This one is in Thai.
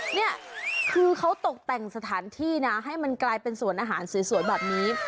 นี่คือเขาตกแต่งสถานที่นะให้มันกลายเป็นสวนอาหารสวยแบบนี้